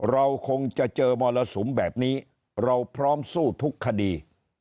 เราคงจะเจอมรสุมแบบนี้เราพร้อมสู้ทุกคดี